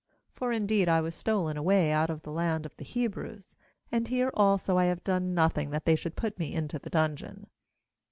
15For indeed I was stolen away out of the land of the Hebrews; and here also have I done nothing that they should put me into 49 40.15 GENESIS the dungeon.'